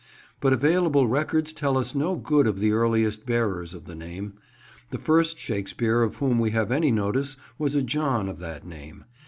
But available records tell us no good of the earliest bearers of the name. The first Shakespeare of whom we have any notice was a John of that name.